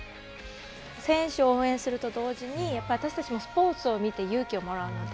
選手を応援すると同時に私たちもスポーツを見て勇気をもらうので。